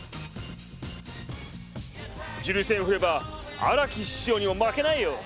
ジュリ扇振れば荒木師匠にも負けないよ！